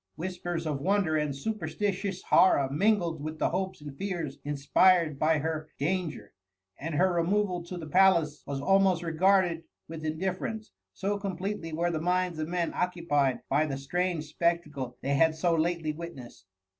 Whis pers of wonder and superstitious horror mingled with the hopes and fears inspired by her dan ger ; and her removal to the palace was almost regarded with indifierence, so completely wei^ the minds of, men occupied by the strange spectacle they had so lately witnessed.